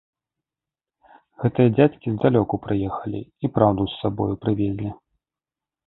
Гэтыя дзядзькі здалёку прыехалі і праўду з сабою прывезлі.